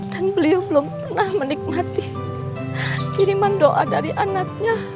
dan beliau belum pernah menikmati kiriman doa dari anaknya